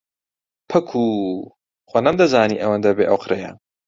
پەکوو، خۆ نەمدەزانی ئەوەندە بێئۆقرەیە.